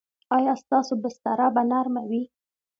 ایا ستاسو بستره به نرمه وي؟